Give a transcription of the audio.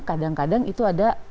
kadang kadang itu ada